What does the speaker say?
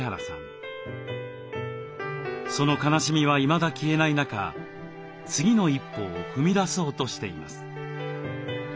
その悲しみはいまだ消えない中次の一歩を踏み出そうとしています。